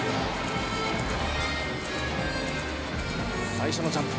最初のジャンプ。